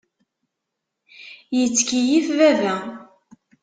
Yettkeyyif baba.